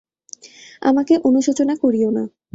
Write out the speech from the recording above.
আমাকে অনুশোচনা করিও না।